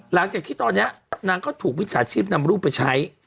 หลังจากที่ตอนนี้นางก็ถูกวิชาชีพนำรูปไปใช้